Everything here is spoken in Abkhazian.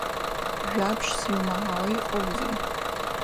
Жәабжьс иумаҳауа иҟоузеи?